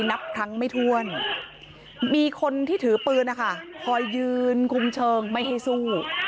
นับครั้งไม่ถ้วนมีคนที่ถือปืนนะคะคอยยืนคุมเชิงไม่ให้สู้